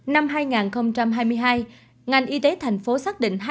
năm hai nghìn hai mươi hai ngành y tế tp hcm xác định